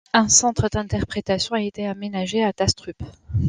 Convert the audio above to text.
Un centre d'interprétation a été aménagé à Tustrup.